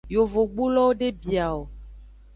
Yovogbulowo de bia o.